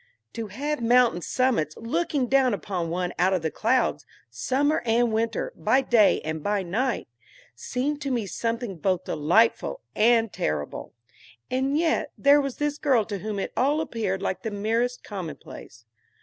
To have mountain summits looking down upon one out of the clouds, summer and winter, by day and by night, seemed to me something both delightful and terrible. And yet here was this girl to whom it all appeared like the merest commonplace.